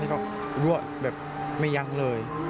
แล้วก็รั่วแบบไม่ยั้งเลย